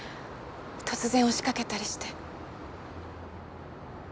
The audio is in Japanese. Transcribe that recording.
突然押しかけたりして。